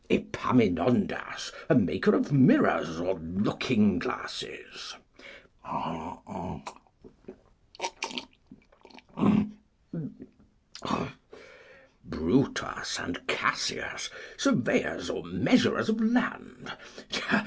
Epaminondas, a maker of mirrors or looking glasses. Brutus and Cassius, surveyors or measurers of land.